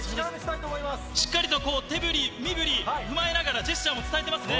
しっかりと手ぶり、身ぶり、踏まえながら、ジェスチャーも伝えてますね。